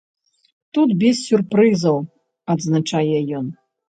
Тут без сюрпрызаў, адзначае ён.